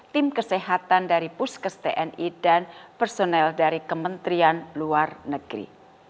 tim kesehatan dari puskes tni dan personel dari kementerian luar negeri